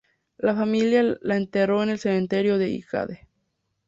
La familia la enterró en el cementerio de Highgate.